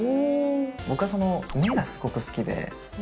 僕は目がすごく好きで。